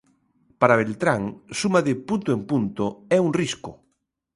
Para Beltrán suma de punto en punto é un risco.